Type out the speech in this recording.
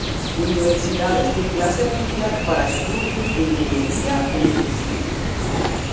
Universidades de clase mundial para estudios de ingeniería o medicina.